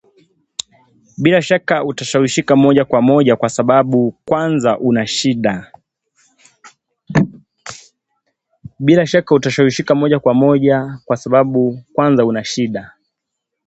Bila shaka utashawishika moja kwa moja kwa sababu kwanza una shida